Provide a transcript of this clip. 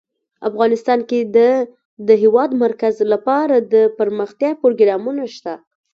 افغانستان کې د د هېواد مرکز لپاره دپرمختیا پروګرامونه شته.